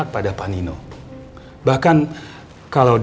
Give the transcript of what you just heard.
kayak gini aja bagus